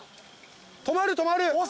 止まる止まる。